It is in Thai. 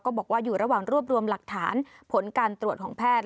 บอกว่าอยู่ระหว่างรวบรวมหลักฐานผลการตรวจของแพทย์